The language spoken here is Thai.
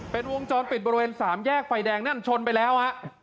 เป็นวงจรปิดบริเวณสามแยกไฟแดงนั่นชนไปแล้วฮะ